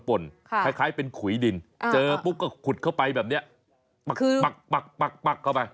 คล้ายเป็นขุยดินเจอปุ๊บก็ขุดเข้าไปแบบนี้ปักเข้าไป